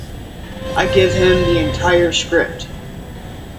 I give him the entire script.